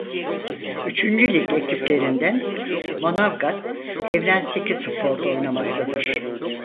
Üçüncü Lig ekiplerinden Manavgat Evrensekispor'da oynamaktadır.